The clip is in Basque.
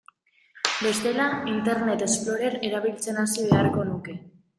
Bestela, Internet Explorer erabiltzen hasi beharko nuke.